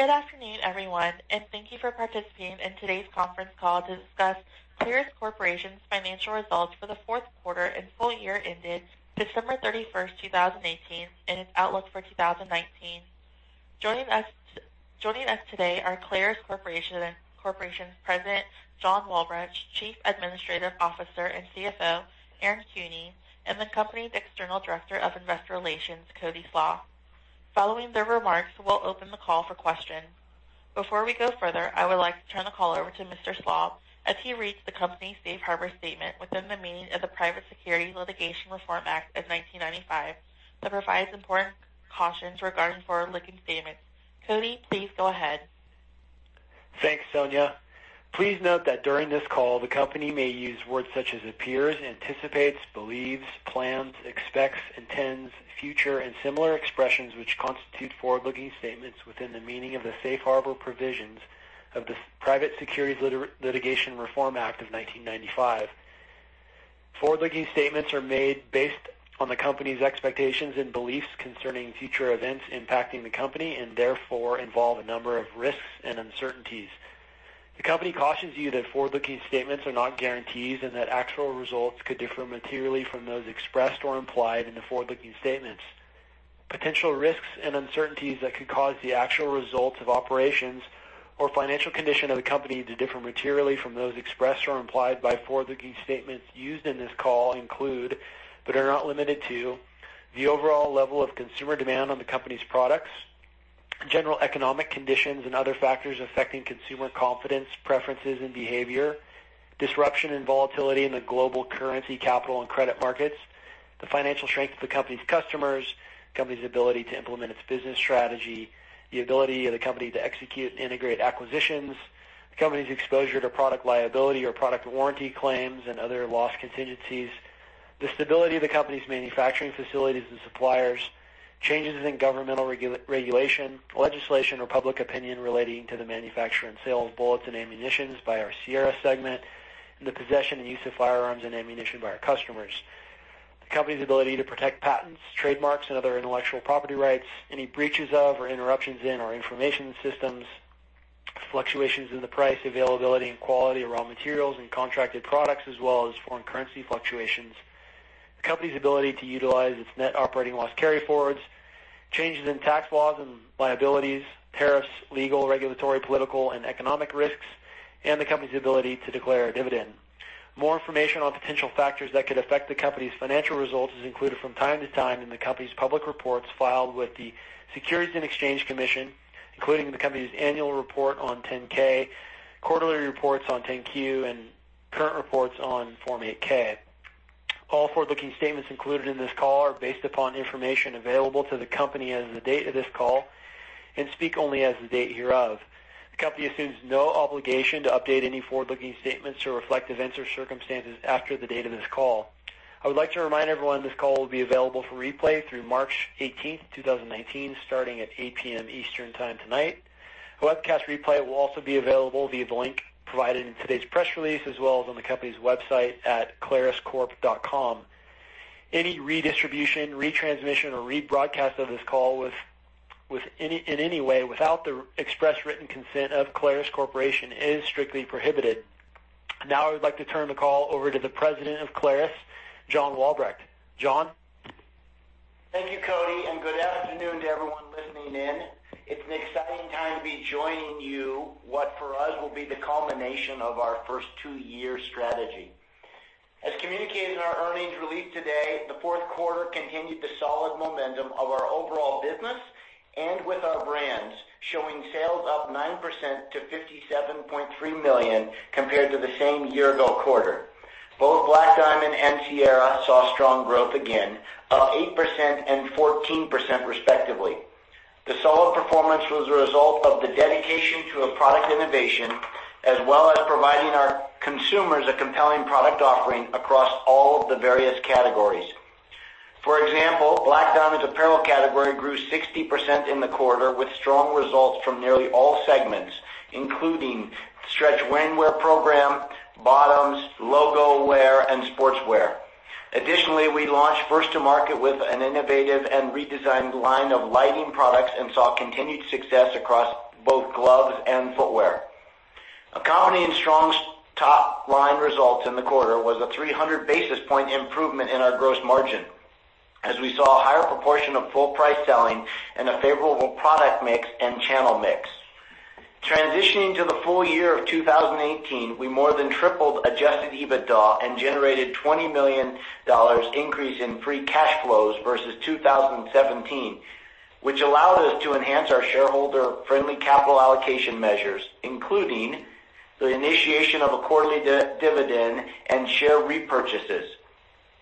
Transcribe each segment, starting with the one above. Good afternoon, everyone, and thank you for participating in today's conference call to discuss Clarus Corporation's Financial Results for the Fourth Quarter and Full Year Ended December 31st, 2018, and its outlook for 2019. Joining us today are Clarus Corporation's President, John Walbrecht, Chief Administrative Officer and CFO, Aaron Kuehne, and the company's External Director of Investor Relations, Cody Slach. Following their remarks, we'll open the call for questions. Before we go further, I would like to turn the call over to Mr. Slach as he reads the company's safe harbor statement within the meaning of the Private Securities Litigation Reform Act of 1995, that provides important cautions regarding forward-looking statements. Cody, please go ahead. Thanks, Sonia. Please note that during this call, the company may use words such as appears, anticipates, believes, plans, expects, intends, future, and similar expressions, which constitute forward-looking statements within the meaning of the safe harbor provisions of the Private Securities Litigation Reform Act of 1995. Forward-looking statements are made based on the company's expectations and beliefs concerning future events impacting the company, therefore involve a number of risks and uncertainties. The company cautions you that forward-looking statements are not guarantees and that actual results could differ materially from those expressed or implied in the forward-looking statements. Potential risks and uncertainties that could cause the actual results of operations or financial condition of the company to differ materially from those expressed or implied by forward-looking statements used in this call include, but are not limited to, the overall level of consumer demand on the company's products, general economic conditions, and other factors affecting consumer confidence, preferences, and behavior, disruption and volatility in the global currency, capital, and credit markets, the financial strength of the company's customers, company's ability to implement its business strategy, the ability of the company to execute and integrate acquisitions, the company's exposure to product liability or product warranty claims and other loss contingencies, the stability of the company's manufacturing facilities and suppliers, changes in governmental regulation, legislation, or public opinion relating to the manufacture and sale of bullets and ammunitions by our Sierra segment, and the possession and use of firearms and ammunition by our customers, the company's ability to protect patents, trademarks, and other intellectual property rights, any breaches of or interruptions in our information systems, fluctuations in the price, availability, and quality of raw materials and contracted products, as well as foreign currency fluctuations, the company's ability to utilize its net operating loss carryforwards, changes in tax laws and liabilities, tariffs, legal, regulatory, political, and economic risks, and the company's ability to declare a dividend. More information on potential factors that could affect the company's financial results is included from time to time in the company's public reports filed with the Securities and Exchange Commission, including the company's annual report on 10-K, quarterly reports on 10-Q, and current reports on Form 8-K. All forward-looking statements included in this call are based upon information available to the company as of the date of this call and speak only as of the date hereof. The company assumes no obligation to update any forward-looking statements to reflect events or circumstances after the date of this call. I would like to remind everyone this call will be available for replay through March 18th, 2019, starting at 8:00 P.M. Eastern Time tonight. A webcast replay will also be available via the link provided in today's press release, as well as on the company's website at claruscorp.com. Any redistribution, retransmission, or rebroadcast of this call in any way without the express written consent of Clarus Corporation is strictly prohibited. I would like to turn the call over to the President of Clarus, John Walbrecht. John? Thank you, Cody, good afternoon to everyone listening in. It's an exciting time to be joining you, what for us will be the culmination of our first two-year strategy. As communicated in our earnings release today, the fourth quarter continued the solid momentum of our overall business and with our brands, showing sales up 9% to $57.3 million compared to the same year-ago quarter. Both Black Diamond and Sierra saw strong growth again, up 8% and 14% respectively. The solid performance was a result of the dedication to a product innovation, as well as providing our consumers a compelling product offering across all of the various categories. For example, Black Diamond's apparel category grew 60% in the quarter, with strong results from nearly all segments, including stretch rainwear program, bottoms, logo wear, and sportswear. Additionally, we launched first-to-market with an innovative and redesigned line of lighting products and saw continued success across both gloves and footwear. Accompanying strong top-line results in the quarter was a 300 basis point improvement in our gross margin, as we saw a higher proportion of full-price selling and a favorable product mix and channel mix. Transitioning to the full year of 2018, we more than tripled adjusted EBITDA and generated $20 million increase in free cash flows versus 2017, which allowed us to enhance our shareholder-friendly capital allocation measures, including the initiation of a quarterly dividend and share repurchases.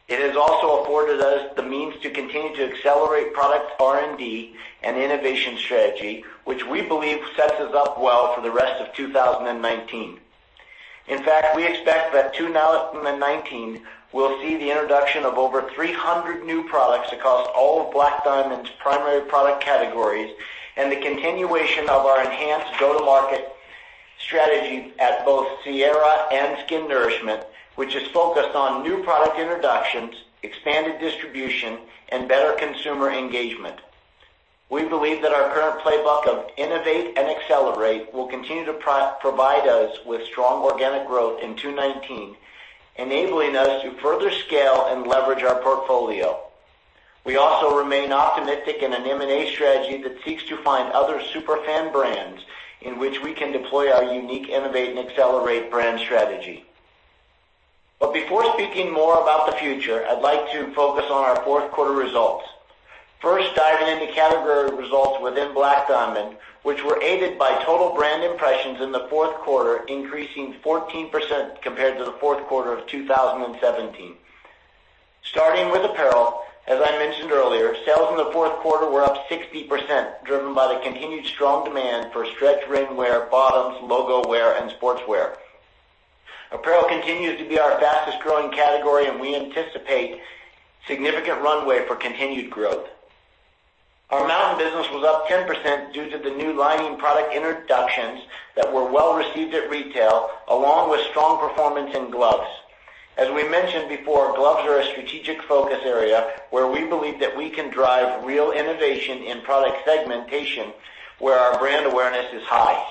It has also afforded us the means to continue to accelerate product R&D and innovation strategy, which we believe sets us up well for the rest of 2019. In fact, we expect that 2019 will see the introduction of over 300 new products across all of Black Diamond's primary product categories and the continuation of our enhanced go-to-market strategy at both Sierra and SKINourishment, which is focused on new product introductions, expanded distribution, and better consumer engagement. We believe that our current playbook of innovate and accelerate will continue to provide us with strong organic growth in 2019, enabling us to further scale and leverage our portfolio. We also remain optimistic in an M&A strategy that seeks to find other super fan brands in which we can deploy our unique innovate and accelerate brand strategy. Before speaking more about the future, I'd like to focus on our fourth quarter results. Diving into category results within Black Diamond, which were aided by total brand impressions in the fourth quarter, increasing 14% compared to the fourth quarter of 2017. Starting with apparel, as I mentioned earlier, sales in the fourth quarter were up 60%, driven by the continued strong demand for stretch rainwear, bottoms, logo wear, and sportswear. Apparel continues to be our fastest-growing category, and we anticipate significant runway for continued growth. Our mountain business was up 10% due to the new lining product introductions that were well-received at retail, along with strong performance in gloves. As we mentioned before, gloves are a strategic focus area where we believe that we can drive real innovation in product segmentation where our brand awareness is high.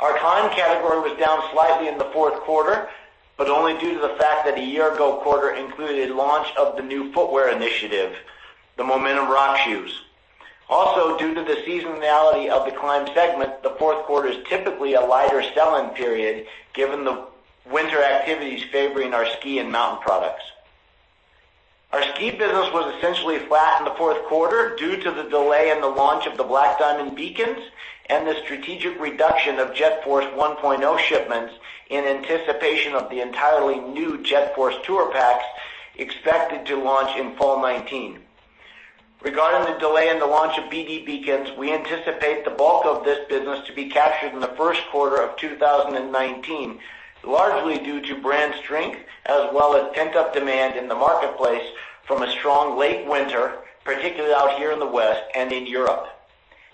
Our climb category was down slightly in the fourth quarter, but only due to the fact that a year-ago quarter included launch of the new footwear initiative, the Momentum rock shoes. Due to the seasonality of the climb segment, the fourth quarter is typically a lighter selling period, given the winter activities favoring our ski and mountain products. Our ski business was essentially flat in the fourth quarter due to the delay in the launch of the Black Diamond Beacons and the strategic reduction of JetForce 1.0 shipments in anticipation of the entirely new JetForce Tour packs expected to launch in fall 2019. Regarding the delay in the launch of BD Beacons, we anticipate the bulk of this business to be captured in the first quarter of 2019, largely due to brand strength, as well as pent-up demand in the marketplace from a strong late winter, particularly out here in the West and in Europe.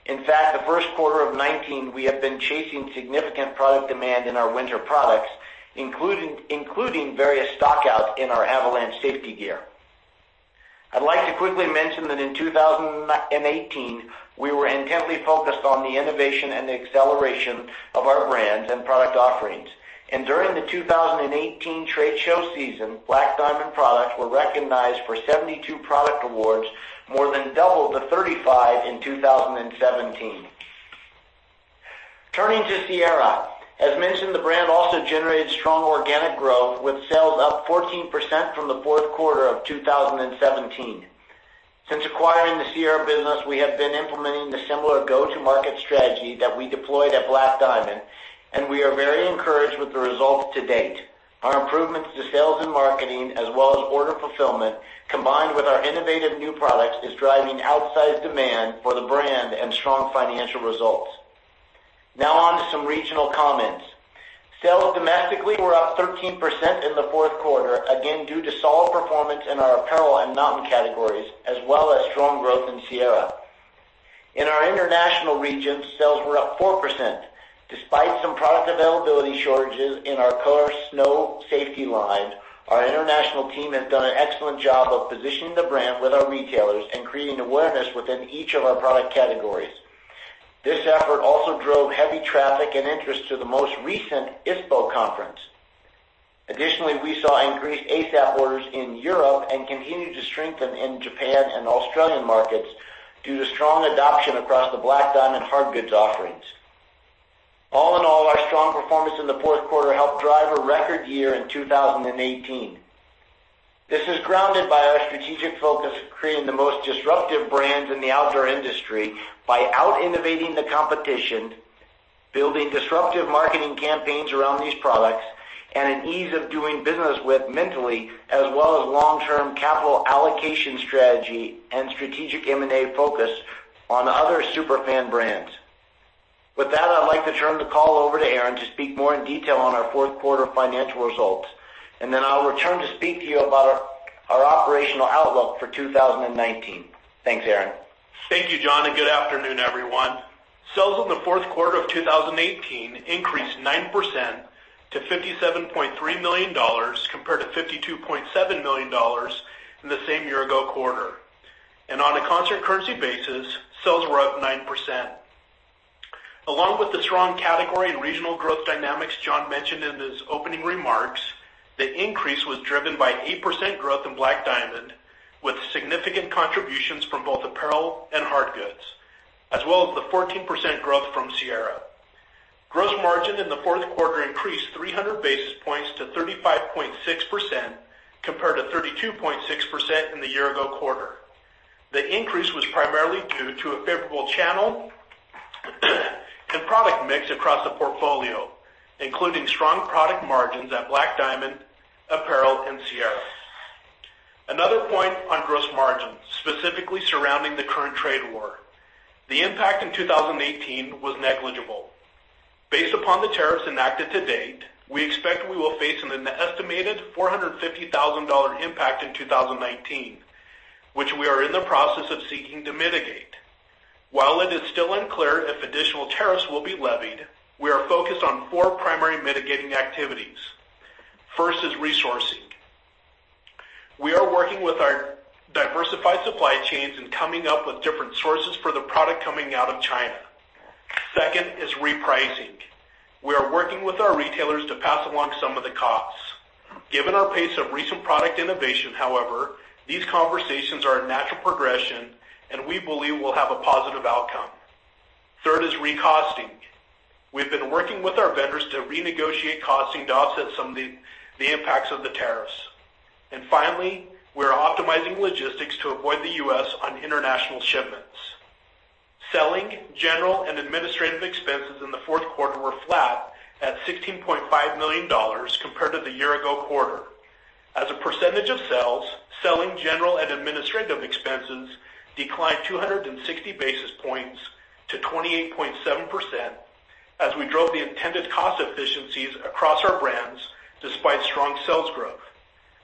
In fact, the first quarter of 2019, we have been chasing significant product demand in our winter products, including various stock-outs in our avalanche safety gear. I'd like to quickly mention that in 2018, we were intently focused on the innovation and the acceleration of our brands and product offerings. During the 2018 trade show season, Black Diamond products were recognized for 72 product awards, more than double the 35 in 2017. Turning to Sierra. As mentioned, the brand also generated strong organic growth with sales up 14% from the fourth quarter of 2017. Since acquiring the Sierra business, we have been implementing the similar go-to-market strategy that we deployed at Black Diamond, and we are very encouraged with the results to date. Our improvements to sales and marketing, as well as order fulfillment, combined with our innovative new products, is driving outsized demand for the brand and strong financial results. Now on to some regional comments. Sales domestically were up 13% in the fourth quarter, again due to solid performance in our apparel and mountain categories, as well as strong growth in Sierra. In our international regions, sales were up 4%. Despite some product availability shortages in our [core snow] safety line, our international team has done an excellent job of positioning the brand with our retailers and creating awareness within each of our product categories. This effort also drove heavy traffic and interest to the most recent ISPO conference. Additionally, we saw increased ASAP orders in Europe and continued to strengthen in Japan and Australian markets due to strong adoption across the Black Diamond hard goods offerings. All in all, our strong performance in the fourth quarter helped drive a record year in 2018. This is grounded by our strategic focus of creating the most disruptive brands in the outdoor industry by out-innovating the competition, building disruptive marketing campaigns around these products, and an ease of doing business with mentally, as well as long-term capital allocation strategy and strategic M&A focus on other super fan brands. With that, I'd like to turn the call over to Aaron to speak more in detail on our fourth quarter financial results, and then I'll return to speak to you about our operational outlook for 2019. Thanks, Aaron. Thank you, John, good afternoon, everyone. Sales in the fourth quarter of 2018 increased 9% to $57.3 million compared to $52.7 million in the same year-ago quarter. On a constant currency basis, sales were up 9%. Along with the strong category and regional growth dynamics John mentioned in his opening remarks, the increase was driven by 8% growth in Black Diamond, with significant contributions from both apparel and hard goods, as well as the 14% growth from Sierra. Gross margin in the fourth quarter increased 300 basis points to 35.6%, compared to 32.6% in the year-ago quarter. The increase was primarily due to a favorable channel and product mix across the portfolio, including strong product margins at Black Diamond Apparel and Sierra. Another point on gross margins, specifically surrounding the current trade war. The impact in 2018 was negligible. Based upon the tariffs enacted to date, we expect we will face an estimated $450,000 impact in 2019.Which we are in the process of seeking to mitigate. While it is still unclear if additional tariffs will be levied, we are focused on four primary mitigating activities. First is resourcing. We are working with our diversified supply chains and coming up with different sources for the product coming out of China. Second is repricing. We are working with our retailers to pass along some of the costs. Given our pace of recent product innovation, however, these conversations are a natural progression, and we believe we'll have a positive outcome. Third is re-costing. We've been working with our vendors to renegotiate costing to offset some of the impacts of the tariffs. Finally, we are optimizing logistics to avoid the U.S. on international shipments. Selling, general, and administrative expenses in the fourth quarter were flat at $16.5 million compared to the year-ago quarter. As a percentage of sales, selling, general, and administrative expenses declined 260 basis points to 28.7% as we drove the intended cost efficiencies across our brands despite strong sales growth.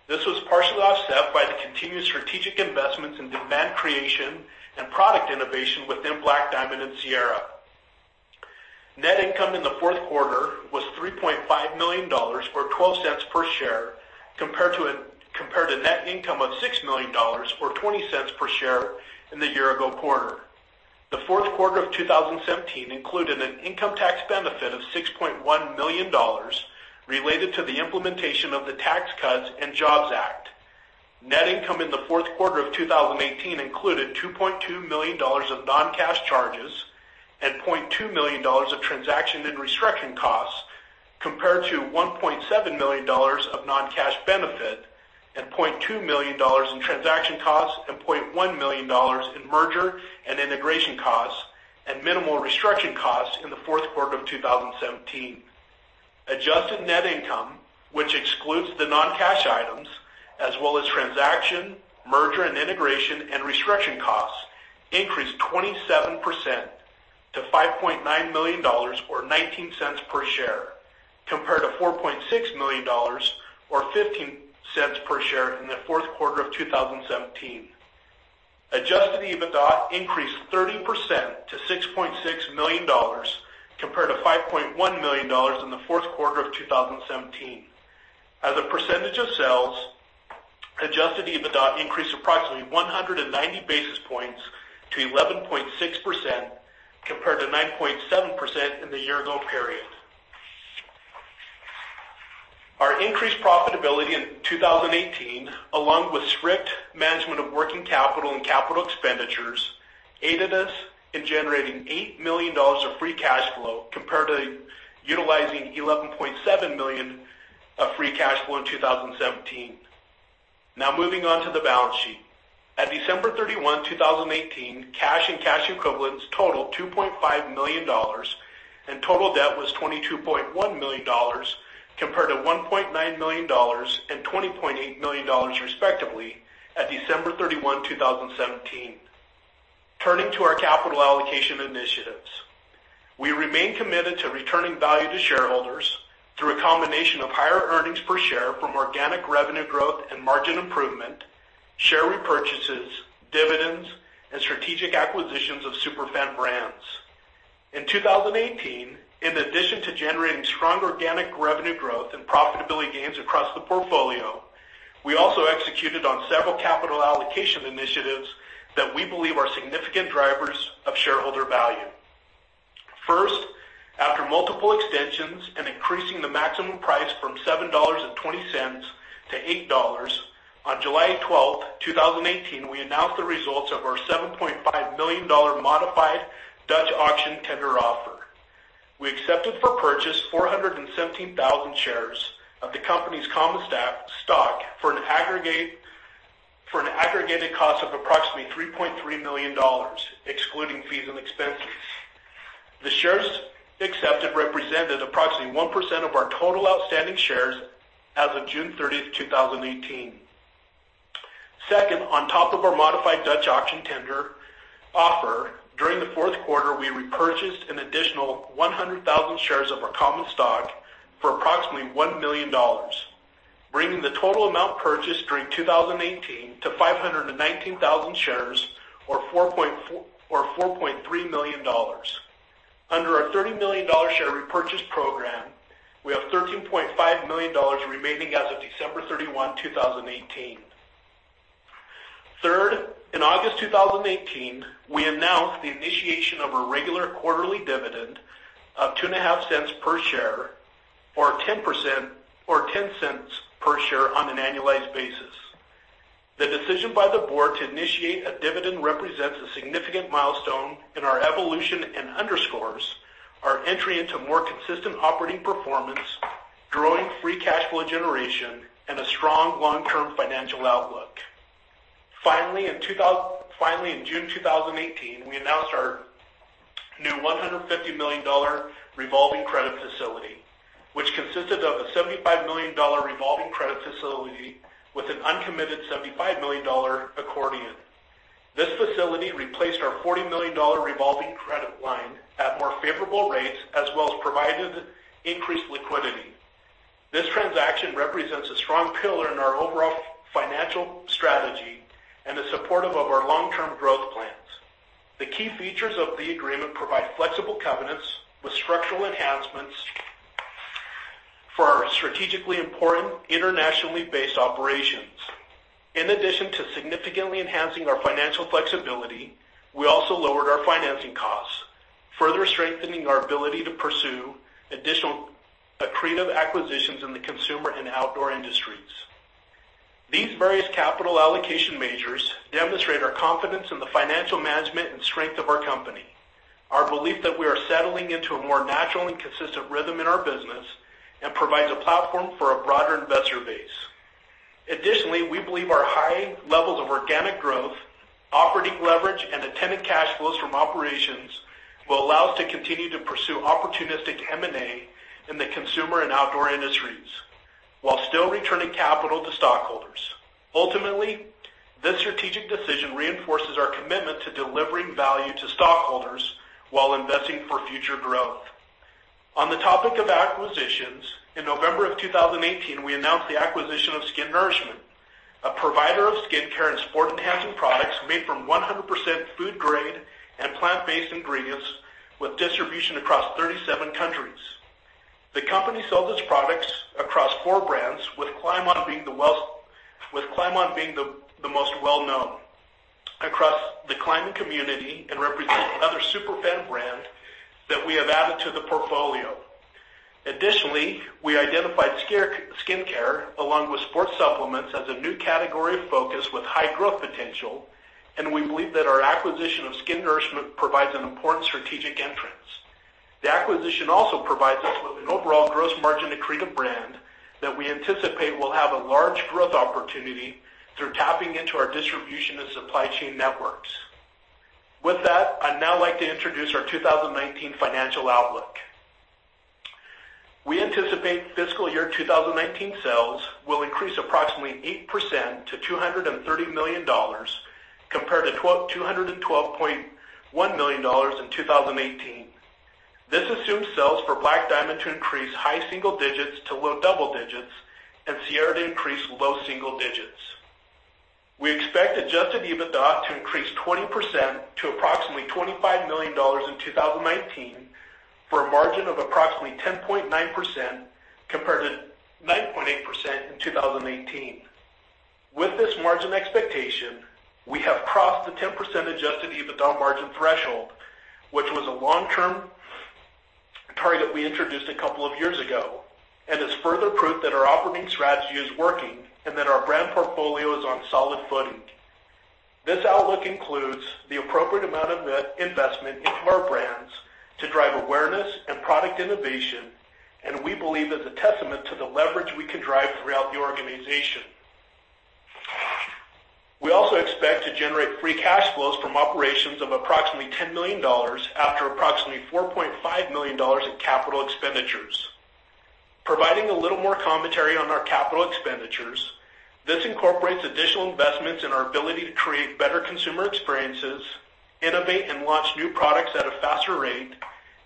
This was partially offset by the continued strategic investments in demand creation and product innovation within Black Diamond and Sierra. Net income in the fourth quarter was $3.5 million, or $0.12 per share compared to net income of $6 million or $0.20 per share in the year-ago quarter. The fourth quarter of 2017 included an income tax benefit of $6.1 million related to the implementation of the Tax Cuts and Jobs Act. Net income in the fourth quarter of 2018 included $2.2 million of non-cash charges and $0.2 million of transaction and restructuring costs, compared to $1.7 million of non-cash benefit and $0.2 million in transaction costs and $0.1 million in merger and integration costs and minimal restructuring costs in the fourth quarter of 2017. Adjusted net income, which excludes the non-cash items as well as transaction, merger and integration, and restructuring costs, increased 27% to $5.9 million, or $0.19 per share, compared to $4.6 million, or $0.15 per share in the fourth quarter of 2017. Adjusted EBITDA increased 30% to $6.6 million compared to $5.1 million in the fourth quarter of 2017. As a percentage of sales, adjusted EBITDA increased approximately 190 basis points to 11.6%, compared to 9.7% in the year-ago period. Our increased profitability in 2018, along with strict management of working capital and capital expenditures, aided us in generating $8 million of free cash flow compared to utilizing $11.7 million of free cash flow in 2017. Moving on to the balance sheet. At December 31, 2018, cash and cash equivalents totaled $2.5 million and total debt was $22.1 million, compared to $1.9 million and $20.8 million respectively at December 31, 2017. Turning to our capital allocation initiatives, we remain committed to returning value to shareholders through a combination of higher earnings per share from organic revenue growth and margin improvement, share repurchases, dividends, and strategic acquisitions of super fan brands. In 2018, in addition to generating strong organic revenue growth and profitability gains across the portfolio, we also executed on several capital allocation initiatives that we believe are significant drivers of shareholder value. First, after multiple extensions and increasing the maximum price from $7.20 to $8, on July 12th, 2018, we announced the results of our $7.5 million modified Dutch auction tender offer. We accepted for purchase 417,000 shares of the company's common stock for an aggregated cost of approximately $3.3 million, excluding fees and expenses. The shares accepted represented approximately 1% of our total outstanding shares as of June 30th, 2018. Second, on top of our modified Dutch auction tender offer, during the fourth quarter, we repurchased an additional 100,000 shares of our common stock for approximately $1 million, bringing the total amount purchased during 2018 to 519,000 shares or $4.3 million. Under our $30 million share repurchase program, we have $13.5 million remaining as of December 31, 2018. Third, in August 2018, we announced the initiation of a regular quarterly dividend of $0.025 per share or $0.10 per share on an annualized basis. The decision by the board to initiate a dividend represents a significant milestone in our evolution and underscores our entry into more consistent operating performance, growing free cash flow generation, and a strong long-term financial outlook. Finally, in June 2018, we announced our new $150 million revolving credit facility, which consisted of a $75 million revolving credit facility with an uncommitted $75 million accordion. This facility replaced our $40 million revolving credit line at more favorable rates, as well as provided increased liquidity. This transaction represents a strong pillar in our overall financial strategy and is supportive of our long-term growth plans. The key features of the agreement provide flexible covenants with structural enhancements for our strategically important internationally based operations. In addition to significantly enhancing our financial flexibility, we also lowered our financing costs, further strengthening our ability to pursue additional accretive acquisitions in the consumer and outdoor industries. These various capital allocation measures demonstrate our confidence in the financial management and strength of our company, our belief that we are settling into a more natural and consistent rhythm in our business, and provides a platform for a broader investor base. Additionally, we believe our high levels of organic growth, operating leverage, and attendant cash flows from operations will allow us to continue to pursue opportunistic M&A in the consumer and outdoor industries while still returning capital to stockholders. Ultimately, this strategic decision reinforces our commitment to delivering value to stockholders while investing for future growth. On the topic of acquisitions, in November of 2018, we announced the acquisition of SKINourishment, a provider of skincare and sport enhancement products made from 100% food-grade and plant-based ingredients, with distribution across 37 countries. The company sells its products across four brands, with climbOn being the most well-known across the climbing community and represents another super fan brand that we have added to the portfolio. Additionally, we identified skincare along with sports supplements as a new category of focus with high growth potential, and we believe that our acquisition of SKINourishment provides an important strategic entrance. The acquisition also provides us with an overall gross margin accretive brand that we anticipate will have a large growth opportunity through tapping into our distribution and supply chain networks. With that, I'd now like to introduce our 2019 financial outlook. We anticipate fiscal year 2019 sales will increase approximately 8% to $230 million, compared to $212.1 million in 2018. This assumes sales for Black Diamond to increase high single digits to low double digits, and Sierra to increase low single digits. We expect adjusted EBITDA to increase 20% to approximately $25 million in 2019, for a margin of approximately 10.9%, compared to 9.8% in 2018. With this margin expectation, we have crossed the 10% adjusted EBITDA margin threshold, which was a long-term target we introduced a couple of years ago and is further proof that our operating strategy is working and that our brand portfolio is on solid footing. This outlook includes the appropriate amount of net investment into our brands to drive awareness and product innovation, and we believe is a testament to the leverage we can drive throughout the organization. We also expect to generate free cash flows from operations of approximately $10 million after approximately $4.5 million in capital expenditures. Providing a little more commentary on our capital expenditures, this incorporates additional investments in our ability to create better consumer experiences, innovate and launch new products at a faster rate,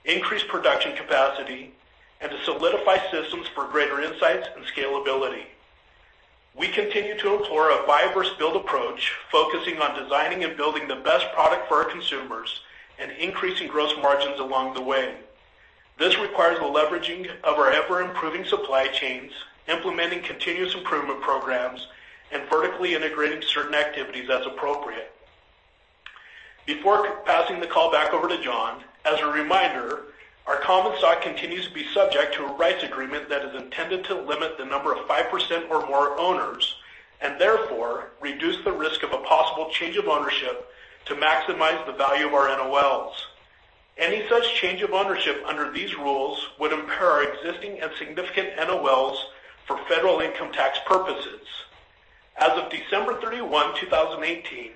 increase production capacity, and to solidify systems for greater insights and scalability. We continue to explore a buy versus build approach, focusing on designing and building the best product for our consumers and increasing gross margins along the way. This requires the leveraging of our ever-improving supply chains, implementing continuous improvement programs, and vertically integrating certain activities as appropriate. Before passing the call back over to John, as a reminder, our common stock continues to be subject to a rights agreement that is intended to limit the number of 5% or more owners, and therefore reduce the risk of a possible change of ownership to maximize the value of our NOLs. Any such change of ownership under these rules would impair our existing and significant NOLs for U.S. federal income tax purposes. As of December 31, 2018,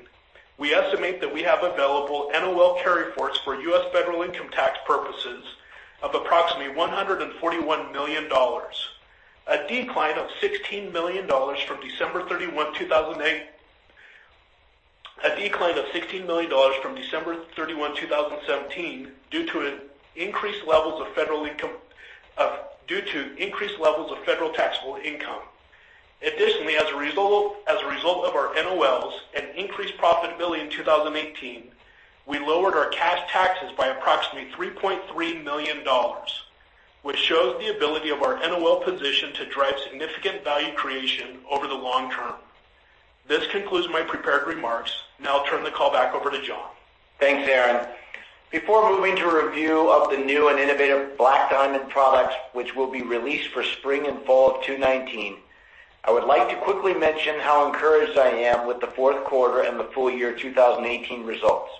we estimate that we have available NOL carryforwards for U.S. federal income tax purposes of approximately $141 million. A decline of $16 million from December 31, 2017, due to increased levels of federal taxable income. Additionally, as a result of our NOLs and increased profitability in 2018, we lowered our cash taxes by approximately $3.3 million, which shows the ability of our NOL position to drive significant value creation over the long term. This concludes my prepared remarks. Now I'll turn the call back over to John. Thanks, Aaron. Before moving to a review of the new and innovative Black Diamond products, which will be released for spring and fall of 2019, I would like to quickly mention how encouraged I am with the fourth quarter and the full year 2018 results.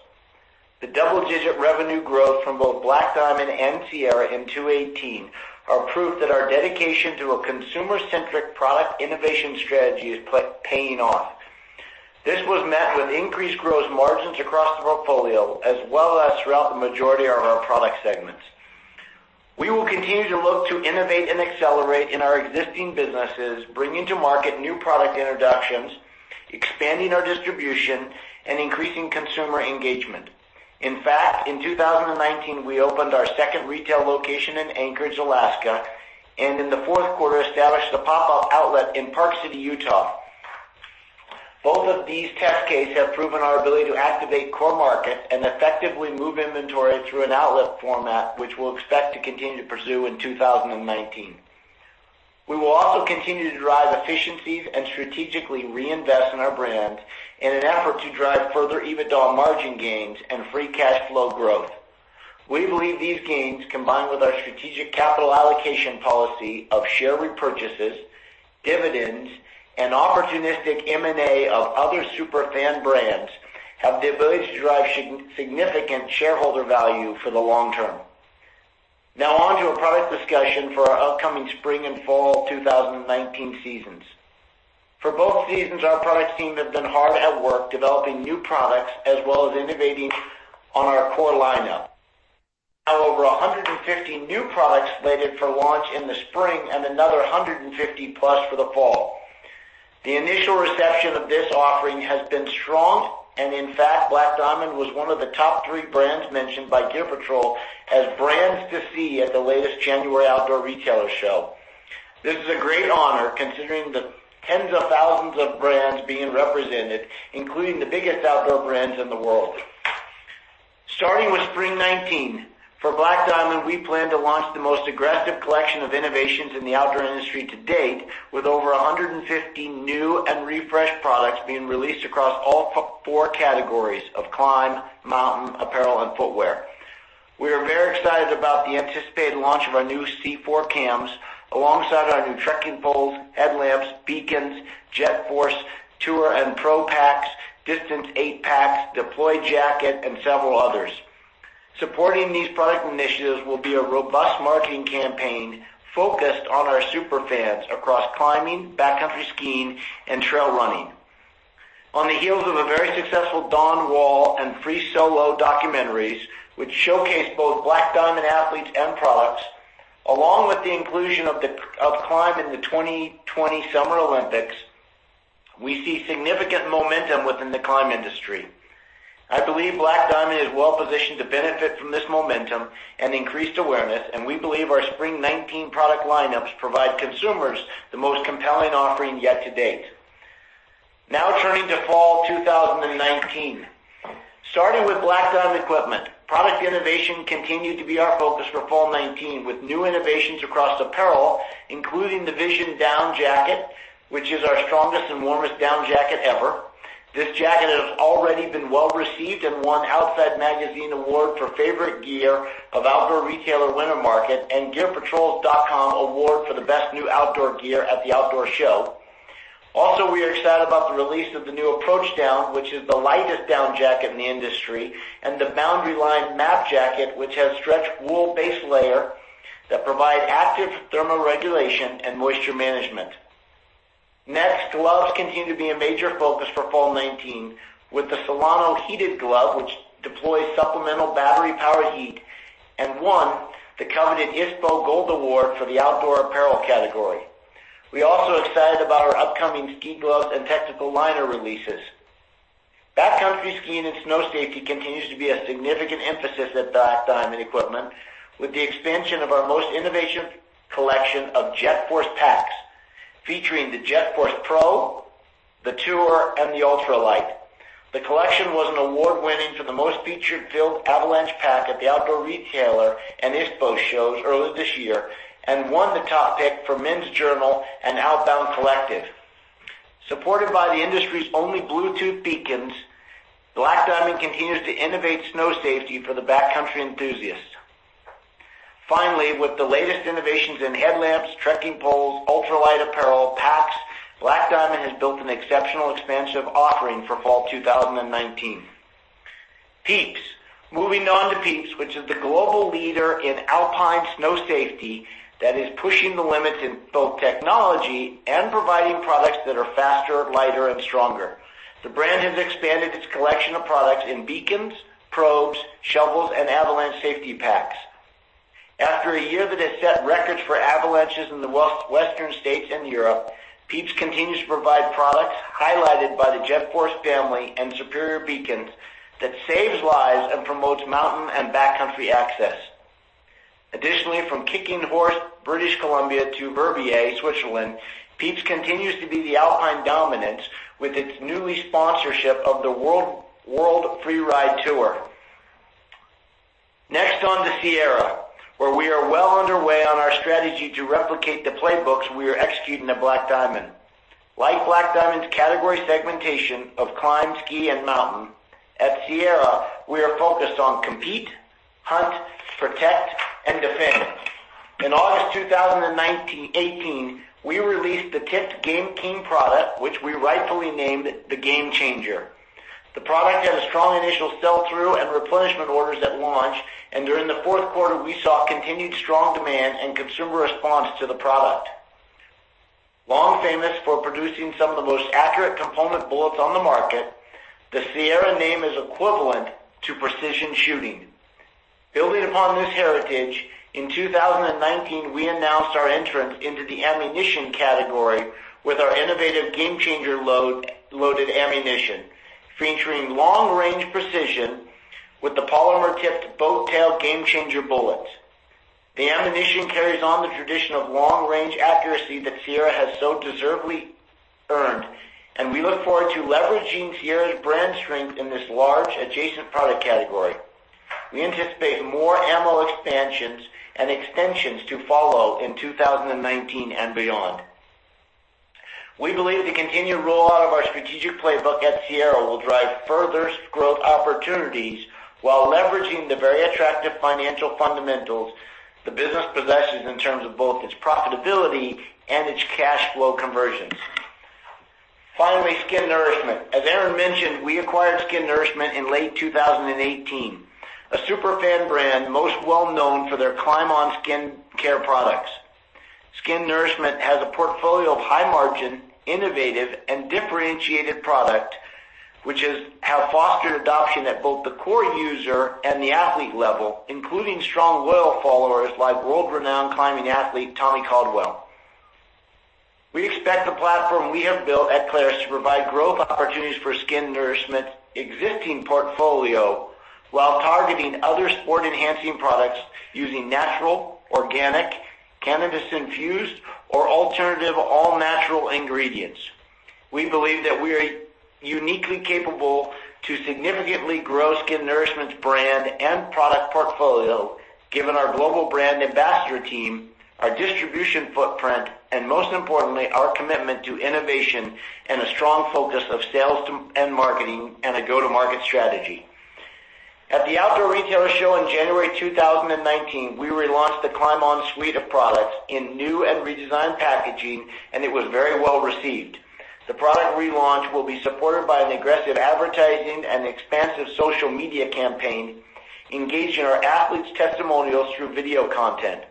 The double-digit revenue growth from both Black Diamond and Sierra in 2018 are proof that our dedication to a consumer-centric product innovation strategy is paying off. This was met with increased gross margins across the portfolio, as well as throughout the majority of our product segments. We will continue to look to innovate and accelerate in our existing businesses, bringing to market new product introductions, expanding our distribution, and increasing consumer engagement. In 2019, we opened our second retail location in Anchorage, Alaska, and in the fourth quarter established a pop-up outlet in Park City, Utah. Both of these test cases have proven our ability to activate core markets and effectively move inventory through an outlet format, which we'll expect to continue to pursue in 2019. We will also continue to drive efficiencies and strategically reinvest in our brand in an effort to drive further EBITDA margin gains and free cash flow growth. We believe these gains, combined with our strategic capital allocation policy of share repurchases, dividends, and opportunistic M&A of other super fan brands, have the ability to drive significant shareholder value for the long term. On to a product discussion for our upcoming spring and fall 2019 seasons. For both seasons, our products team have been hard at work developing new products as well as innovating on our core lineup. We have over 150 new products slated for launch in the spring and another 150+ for the fall. The initial reception of this offering has been strong, and in fact, Black Diamond was one of the top three brands mentioned by Gear Patrol as brands to see at the latest January Outdoor Retailer show. This is a great honor considering the tens of thousands of brands being represented, including the biggest outdoor brands in the world. Starting with spring 2019, for Black Diamond, we plan to launch the most aggressive collection of innovations in the outdoor industry to date, with over 150 new and refreshed products being released across all four categories of climb, mountain, apparel, and footwear. We are very excited about the anticipated launch of our new C4 cams alongside our new trekking poles, headlamps, beacons, JetForce Tour and Pro packs, Distance 8 packs, Deploy Jacket, and several others. Supporting these product initiatives will be a robust marketing campaign focused on our super fans across climbing, backcountry skiing, and trail running. On the heels of a very successful The Dawn Wall and Free Solo documentaries, which showcase both Black Diamond athletes and products, along with the inclusion of climb in the 2020 Summer Olympics, we see significant momentum within the climb industry. I believe Black Diamond is well-positioned to benefit from this momentum and increased awareness, and we believe our spring 2019 product lineups provide consumers the most compelling offering yet to date. Now turning to fall 2019. Starting with Black Diamond Equipment, product innovation continued to be our focus for fall 2019, with new innovations across apparel, including the Vision Down Jacket, which is our strongest and warmest down jacket ever. This jacket has already been well-received and won Outside Magazine Award for Favorite Gear of Outdoor Retailer Winter Market and gearpatrol.com Award for the best new outdoor gear at the outdoor show. We are excited about the release of the new Approach Down, which is the lightest down jacket in the industry, and the BoundaryLine Mapped Jacket which has stretch wool base layer that provide active thermal regulation and moisture management. Gloves continue to be a major focus for fall 2019 with the Solano heated glove, which deploys supplemental battery-powered heat and won the coveted ISPO Gold Award for the outdoor apparel category. We're also excited about our upcoming ski gloves and tactical liner releases. Backcountry skiing and snow safety continues to be a significant emphasis at Black Diamond Equipment with the expansion of our most innovative collection of JetForce packs, featuring the JetForce Pro, the Tour, and the Ultralight. The collection was an award-winning for the most feature-filled avalanche pack at the Outdoor Retailer and ISPO shows earlier this year and won the top pick for Men's Journal and The Outbound Collective. Supported by the industry's only Bluetooth beacons, Black Diamond continues to innovate snow safety for the backcountry enthusiasts. With the latest innovations in headlamps, trekking poles, ultralight apparel, packs, Black Diamond has built an exceptional expansive offering for fall 2019. PIEPS. Moving on to PIEPS, which is the global leader in alpine snow safety that is pushing the limits in both technology and providing products that are faster, lighter, and stronger. The brand has expanded its collection of products in beacons, probes, shovels, and avalanche safety packs. After a year that has set records for avalanches in the Western States and Europe, PIEPS continues to provide products highlighted by the JetForce family and Superior beacons that saves lives and promotes mountain and backcountry access. Additionally, from Kicking Horse, British Columbia, to Verbier, Switzerland, PIEPS continues to be the alpine dominant with its newly sponsorship of the Freeride World Tour. On to Sierra, where we are well underway on our strategy to replicate the playbooks we are executing at Black Diamond. Like Black Diamond's category segmentation of climb, ski, and mountain, at Sierra, we are focused on compete, hunt, protect, and defend. In August 2018, we released the tipped GameKing product, which we rightfully named the GameChanger. The product had a strong initial sell-through and replenishment orders at launch. During the fourth quarter, we saw continued strong demand and consumer response to the product. Long famous for producing some of the most accurate component bullets on the market, the Sierra name is equivalent to precision shooting. Building upon this heritage, in 2019, we announced our entrance into the ammunition category with our innovative GameChanger loaded ammunition, featuring long-range precision with the polymer-tipped boat tail GameChanger bullets. The ammunition carries on the tradition of long-range accuracy that Sierra has so deservedly earned. We look forward to leveraging Sierra's brand strength in this large adjacent product category. We anticipate more ammo expansions and extensions to follow in 2019 and beyond. We believe the continued rollout of our strategic playbook at Sierra will drive further growth opportunities while leveraging the very attractive financial fundamentals the business possesses in terms of both its profitability and its cash flow conversions. Finally, SKINourishment. As Aaron mentioned, we acquired SKINourishment in late 2018, a super fan brand most well-known for their climbOn skincare products. SKINourishment has a portfolio of high-margin, innovative, and differentiated product, which have fostered adoption at both the core user and the athlete level, including strong loyal followers like world-renowned climbing athlete, Tommy Caldwell. We expect the platform we have built at Clarus to provide growth opportunities for SKINourishment's existing portfolio while targeting other sport-enhancing products using natural, organic, cannabis-infused, or alternative all-natural ingredients. We believe that we are uniquely capable to significantly grow SKINourishment's brand and product portfolio, given our global brand ambassador team, our distribution footprint, and most importantly, our commitment to innovation and a strong focus of sales and marketing and a go-to-market strategy. At the Outdoor Retailer show in January 2019, we relaunched the climbOn suite of products in new and redesigned packaging, and it was very well-received. The product relaunch will be supported by an aggressive advertising and expansive social media campaign, engaging our athletes' testimonials through video content.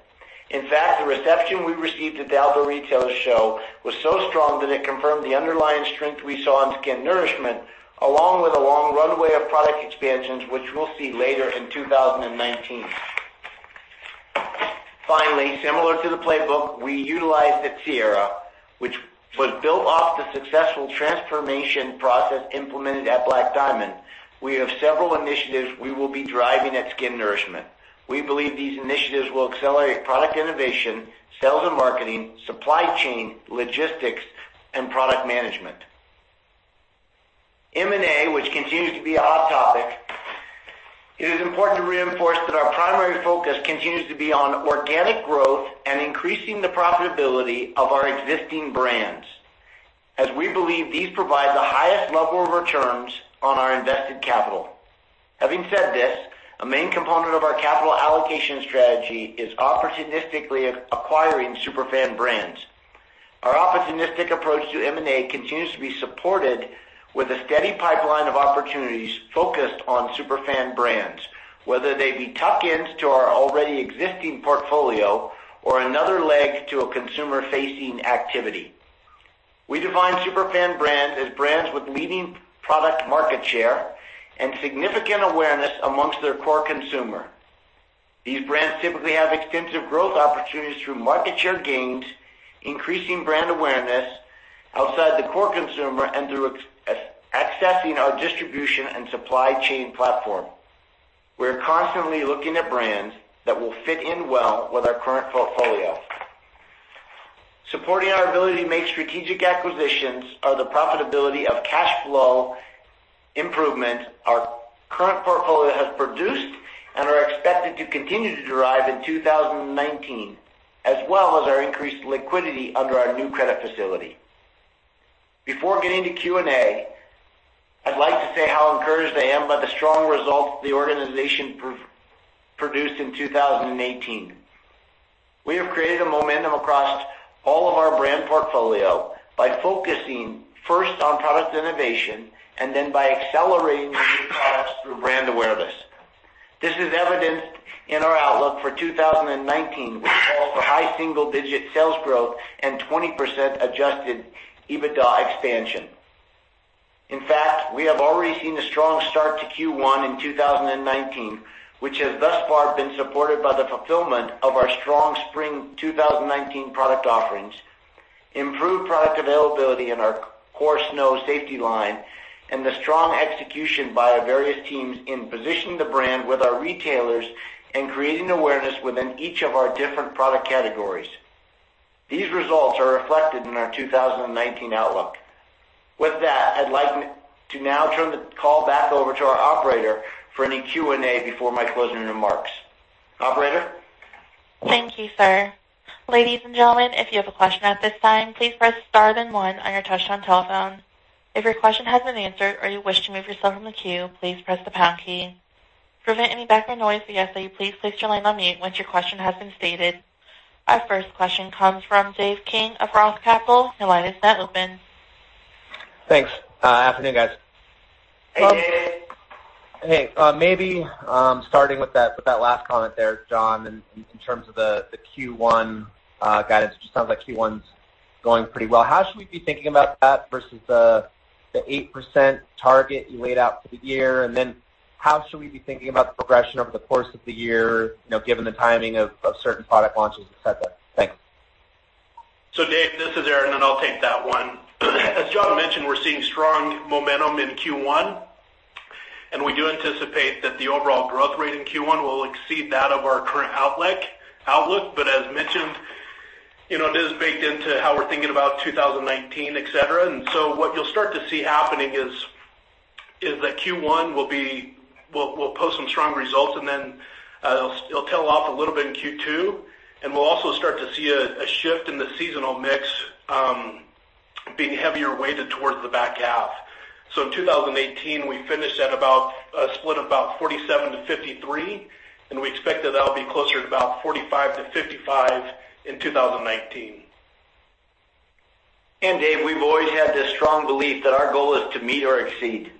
In fact, the reception we received at the Outdoor Retailer show was so strong that it confirmed the underlying strength we saw in SKINourishment, along with a long runway of product expansions, which we'll see later in 2019. Finally, similar to the playbook we utilized at Sierra, which was built off the successful transformation process implemented at Black Diamond, we have several initiatives we will be driving at SKINourishment. We believe these initiatives will accelerate product innovation, sales and marketing, supply chain, logistics, and product management. M&A, which continues to be a hot topic. It is important to reinforce that our primary focus continues to be on organic growth and increasing the profitability of our existing brands, as we believe these provide the highest level of returns on our invested capital. Having said this, a main component of our capital allocation strategy is opportunistically acquiring super fan brands. Our opportunistic approach to M&A continues to be supported with a steady pipeline of opportunities focused on super fan brands, whether they be tuck-ins to our already existing portfolio or another leg to a consumer-facing activity. We define super fan brands as brands with leading product market share and significant awareness amongst their core consumer. These brands typically have extensive growth opportunities through market share gains, increasing brand awareness outside the core consumer, and through accessing our distribution and supply chain platform. We're constantly looking at brands that will fit in well with our current portfolio. Supporting our ability to make strategic acquisitions are the profitability of cash flow improvement our current portfolio has produced and are expected to continue to derive in 2019, as well as our increased liquidity under our new credit facility. Before getting to Q&A, I'd like to say how encouraged I am by the strong results the organization produced in 2018. We have created a momentum across all of our brand portfolio by focusing first on product innovation and then by accelerating new products through brand awareness. This is evidenced in our outlook for 2019, which calls for high single-digit sales growth and 20% adjusted EBITDA expansion. In fact, we have already seen a strong start to Q1 in 2019, which has thus far been supported by the fulfillment of our strong Spring 2019 product offerings, improved product availability in our core snow safety line, and the strong execution by our various teams in positioning the brand with our retailers and creating awareness within each of our different product categories. These results are reflected in our 2019 outlook. With that, I'd like to now turn the call back over to our operator for any Q&A before my closing remarks. Operator? Thank you, sir. Ladies and gentlemen, if you have a question at this time, please press star then one on your touchtone telephone. If your question has been answered or you wish to move yourself from the queue, please press the pound key. To prevent any background noise, we ask that you please place your line on mute once your question has been stated. Our first question comes from Dave King of ROTH Capital. Your line is now open. Thanks. Afternoon, guys. Hey, Dave. Hey. Maybe starting with that last comment there, John, in terms of the Q1 guidance, it just sounds like Q1's going pretty well. How should we be thinking about that versus the 8% target you laid out for the year? How should we be thinking about the progression over the course of the year, given the timing of certain product launches, etc? Thanks. Dave, this is Aaron, and I'll take that one. As John mentioned, we're seeing strong momentum in Q1, and we do anticipate that the overall growth rate in Q1 will exceed that of our current outlook. As mentioned, it is baked into how we're thinking about 2019, etc. What you'll start to see happening is that Q1 will post some strong results, and then it'll tail off a little bit in Q2, and we'll also start to see a shift in the seasonal mix, being heavier weighted towards the back half. In 2018, we finished at about a split of about 47-53, and we expect that that'll be closer to about 45-55 in 2019. Dave, we've always had this strong belief that our goal is to meet or exceed.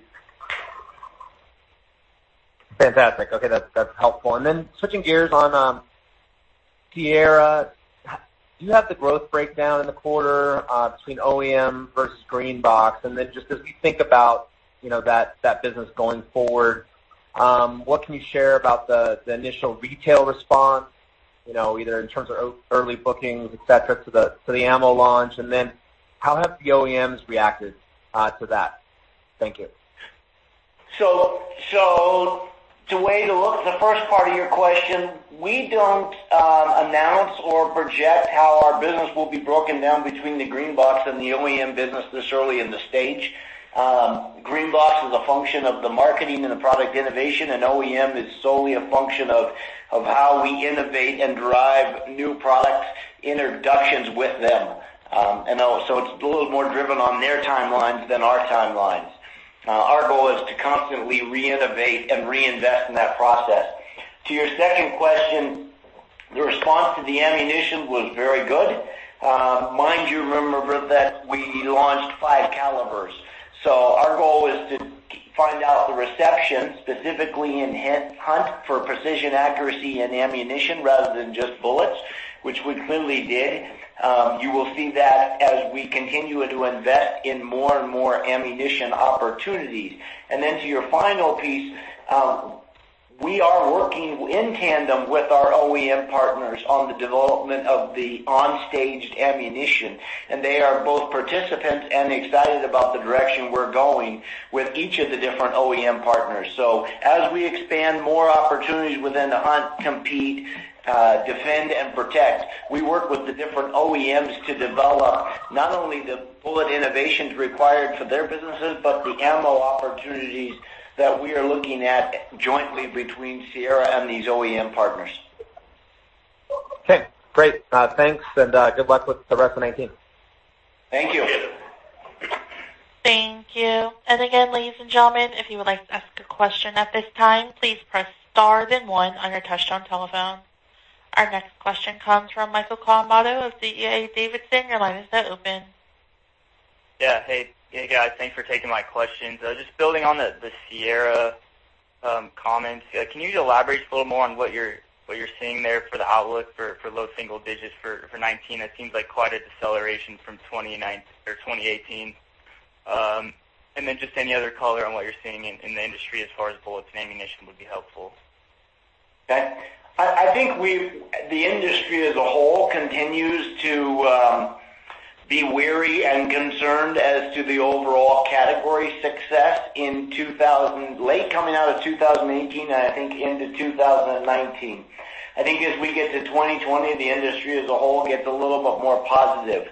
Fantastic. Okay. That's helpful. Switching gears on Sierra, do you have the growth breakdown in the quarter between OEM versus green box? Just as we think about that business going forward, what can you share about the initial retail response, either in terms of early bookings, etc, to the ammo launch? How have the OEMs reacted to that? Thank you. The way to look at the first part of your question, we don't announce or project how our business will be broken down between the green box and the OEM business this early in the stage. Green box is a function of the marketing and the product innovation, and OEM is solely a function of how we innovate and drive new product introductions with them. It's a little more driven on their timelines than our timelines. Our goal is to constantly re-innovate and reinvest in that process. To your second question, the response to the ammunition was very good. Mind you, remember that we launched five calibers. Our goal is to find out the reception, specifically in hunt for precision, accuracy, and ammunition, rather than just bullets, which we clearly did. You will see that as we continue to invest in more and more ammunition opportunities. Then to your final piece, we are working in tandem with our OEM partners on the development of the on-staged ammunition, and they are both participants and excited about the direction we're going with each of the different OEM partners. As we expand more opportunities within the hunt, compete, defend, and protect, we work with the different OEMs to develop not only the bullet innovations required for their businesses, but the ammo opportunities that we are looking at jointly between Sierra and these OEM partners. Okay, great. Thanks, and good luck with the rest of 2019. Thank you. Appreciate it. Thank you. Again, ladies and gentlemen, if you would like to ask a question at this time, please press star then one on your touchtone telephone. Our next question comes from Michael Kawamoto of D.A. Davidson. Your line is now open. Yeah. Hey, guys. Thanks for taking my questions. Just building on the Sierra comments, can you elaborate a little more on what you're seeing there for the outlook for low single digits for 2019? It seems like quite a deceleration from 2018. Just any other color on what you're seeing in the industry as far as bullets and ammunition would be helpful. Okay. I think the industry as a whole continues to be wary and concerned as to the overall category success in late coming out of 2018 and I think into 2019. I think as we get to 2020, the industry as a whole gets a little bit more positive.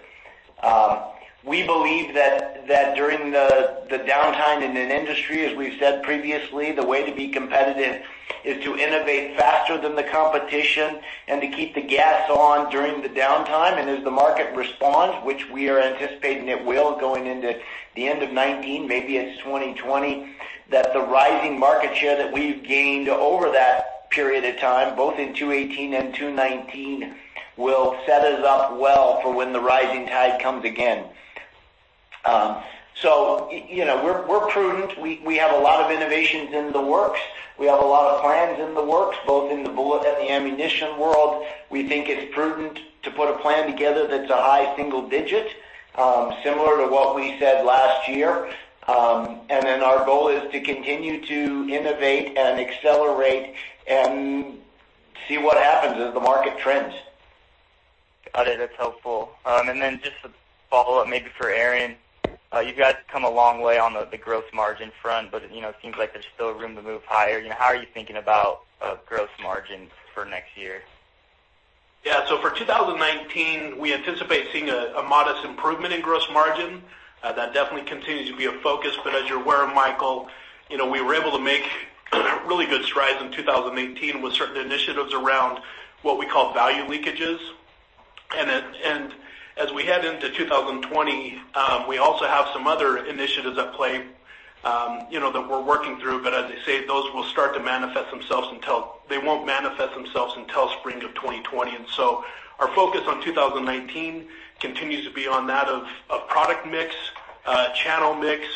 We believe that during the downtime in an industry, as we've said previously, the way to be competitive is to innovate faster than the competition and to keep the gas on during the downtime. As the market responds, which we are anticipating it will going into the end of 2019, maybe in 2020, that the rising market share that we've gained over that period of time, both in 2018 and 2019, will set us up well for when the rising tide comes again. We're prudent. We have a lot of innovations in the works. We have a lot of plans in the works, both in the bullet and the ammunition world. We think it's prudent to put a plan together that's a high single digit, similar to what we said last year. Our goal is to continue to innovate and accelerate and see what happens as the market trends. Got it. That's helpful. Just a follow-up, maybe for Aaron. You guys have come a long way on the gross margin front, but it seems like there's still room to move higher. How are you thinking about gross margin for next year? Yeah. For 2019, we anticipate seeing a modest improvement in gross margin. That definitely continues to be a focus. As you're aware, Michael, we were able to make really good strides in 2018 with certain initiatives around what we call value leakages. As we head into 2020, we also have some other initiatives at play that we're working through. As I say, those will start to manifest themselves until they won't manifest themselves until spring of 2020. Our focus on 2019 continues to be on that of product mix, channel mix.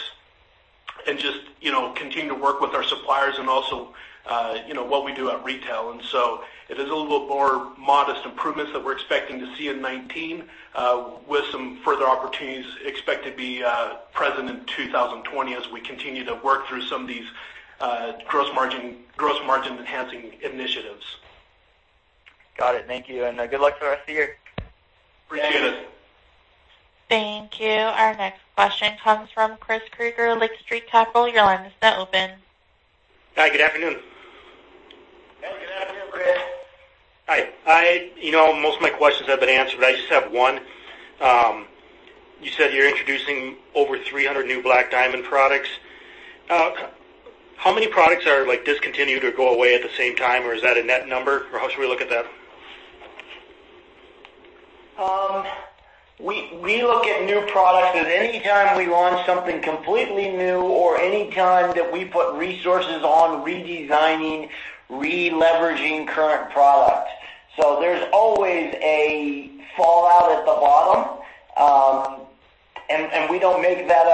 Just continue to work with our suppliers and also what we do at retail. It is a little bit more modest improvements that we're expecting to see in 2019, with some further opportunities expect to be present in 2020 as we continue to work through some of these gross margin enhancing initiatives. Got it. Thank you. Good luck for the rest of the year. Appreciate it. Thank you. Our next question comes from Chris Krueger, Lake Street Capital. Your line is now open. Hi, good afternoon. Good afternoon, Chris. Hi. Most of my questions have been answered. I just have one. You said you're introducing over 300 new Black Diamond products. How many products are discontinued or go away at the same time, or is that a net number, or how should we look at that? We look at new products at any time we launch something completely new or any time that we put resources on redesigning, re-leveraging current products. There's always a fallout at the bottom. We don't make that,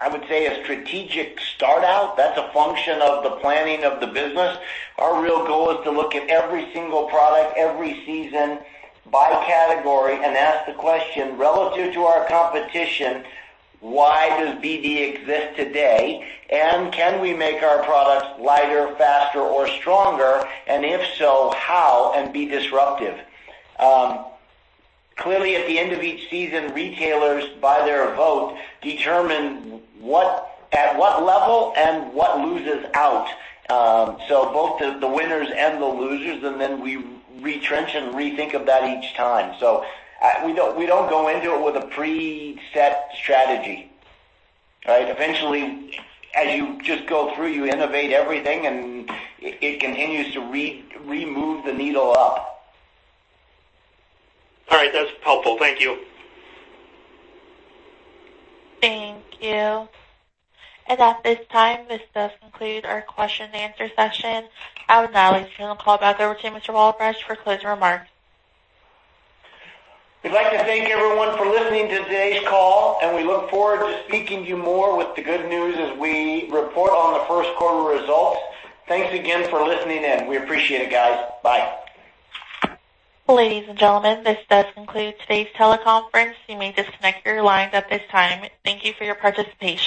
I would say, a strategic start out. That's a function of the planning of the business. Our real goal is to look at every single product, every season, by category, and ask the question, relative to our competition, why does BD exist today? Can we make our products lighter, faster, or stronger? If so, how, and be disruptive. Clearly, at the end of each season, retailers, by their vote, determine at what level and what loses out. Both the winners and the losers, then we retrench and rethink of that each time. We don't go into it with a preset strategy, right? Eventually, as you just go through, you innovate everything, and it continues to move the needle up. All right. That's helpful. Thank you. Thank you. At this time, this does conclude our question and answer session. I would now like to turn the call back over to Mr. Walbrecht for closing remarks. We'd like to thank everyone for listening to today's call, and we look forward to speaking to you more with the good news as we report on the first quarter results. Thanks again for listening in. We appreciate it, guys. Bye. Ladies and gentlemen, this does conclude today's teleconference. You may disconnect your lines at this time. Thank you for your participation.